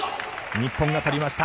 日本が取りました。